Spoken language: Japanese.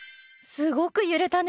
すごく揺れたね。